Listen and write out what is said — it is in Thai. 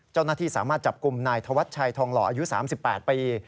เจ้าหน้าที่สามารถจับกลุ่มนายธวัชชัยทองหล่ออายุ๓๘ปี